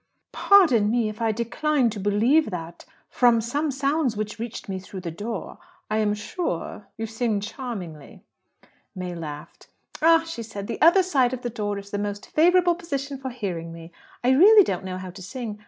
"Pardon me if I decline to believe that. From some sounds which reached me through the door, I am sure you sing charmingly." May laughed. "Ah," said she, "the other side of the door is the most favourable position for hearing me. I really don't know how to sing.